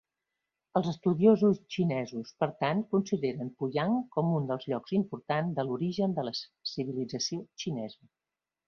Els estudiosos xinesos, per tant, consideren Puyang com un dels llocs importants de l'origen de la civilització xinesa.